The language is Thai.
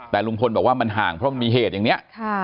แต่ลุงพลบอกว่ามันห่างเพราะมันมีเหตุอย่างนี้